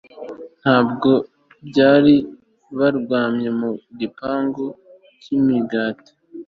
Ntabwo bari baryamye mu gipangu cyimigati